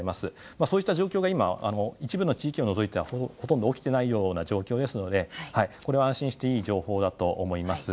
そういった状況が今、一部の地域を除いてほとんど起きていない状況ですのでこれは安心していい情報だと思います。